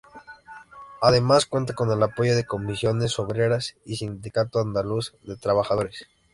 Además cuenta con el apoyo de Comisiones Obreras y Sindicato Andaluz de Trabajadores.